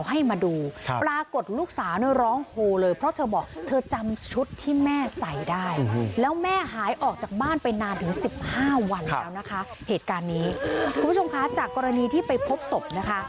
คุณผู้ชมคะเหตุการณ์นี้คุณผู้ชมคะจากกรณีที่ไปพบศพนะคะ